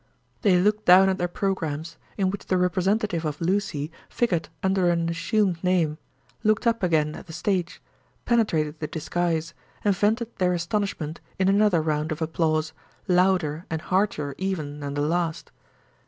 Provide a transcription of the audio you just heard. They looked down at their programmes, in which the representative of Lucy figured under an assumed name; looked up again at the stage; penetrated the disguise; and vented their astonishment in another round of applause, louder and heartier even than the last.